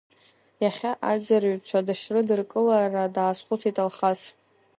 Иахьа аӡырҩцәа дышрыдыркылара даазхәыцит Алхас.